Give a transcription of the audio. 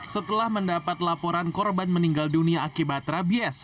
setelah mendapat laporan korban meninggal dunia akibat rabies